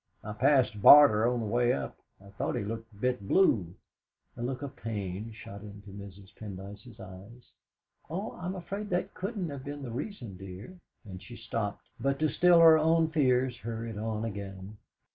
I passed Barter on the way up. I thought he looked a bit blue." A look of pain shot into Mrs. Pendyce's eyes. "Oh, I'm afraid that couldn't have been the reason, dear." And she stopped, but to still her own fears hurried on again.